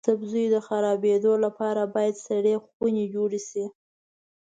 سبزیو د خرابیدو لپاره باید سړې خونې جوړې شي.